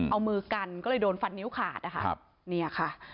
เอามือกันก็เลยโดนฟันนิ้วขาดอ่ะค่ะ